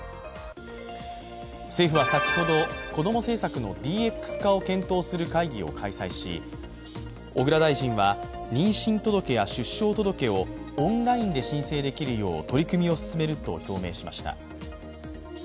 政府は先ほどこども政策のＤＸ化を検討する会議を開催し小倉大臣は妊娠届や出生届をオンラインで申請できるよう取り組みを進めると表明しました。